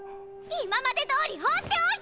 今までどおり放っておいてよ！